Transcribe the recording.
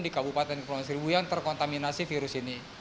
di kabupaten kepulauan seribu yang terkontaminasi virus ini